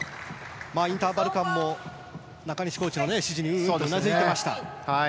インターバル間も中西コーチの指示にうなずいていました。